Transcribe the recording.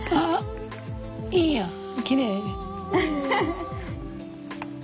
いいやんきれい。